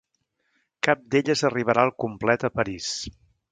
Cap d'elles arribarà al complet a París.